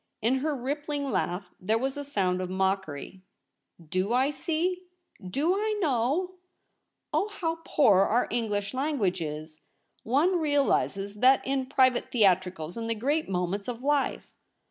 In her rippling laugh there was a sound of mockery. * Do I see ? Do I know ? Oh, how poor our English language is ! One realizes that in private theatricals and the great moments of life.